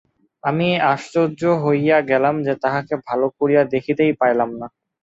আমি আশ্চর্য হইয়া গেলাম যে, তাহাকে ভালো করিয়া দেখিতেই পাইলাম না।